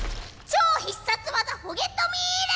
超必殺技フォゲット・ミール！